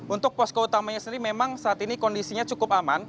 untuk posko utamanya sendiri memang saat ini kondisinya cukup aman